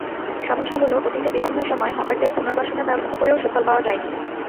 সমস্যা হলো অতীতে বিভিন্ন সময় হকারদের পুনর্বাসনের ব্যবস্থা করেও সুফল পাওয়া যায়নি।